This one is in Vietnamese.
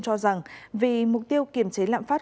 cho rằng vì mục tiêu kiểm chế lạm phát